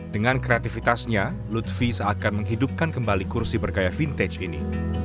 dengan kreativitasnya lutfi seakan menghidupkan kembali kursi bergaya vintage ini